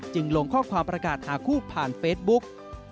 ลงข้อความประกาศหาคู่ผ่านเฟซบุ๊ก